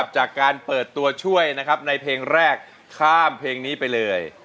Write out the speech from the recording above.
จากการเปิดตัวช่วยนะครับในเพลงแรกข้ามเพลงนี้ไปเลย